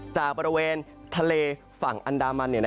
จากบริเวณทะเลฝั่งอันดามัน